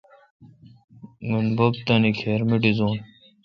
گین بب تانی کھیر می ڈیزوس۔